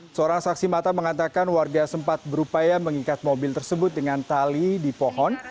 seorang saksi mata mengatakan warga sempat berupaya mengikat mobil tersebut dengan tali di pohon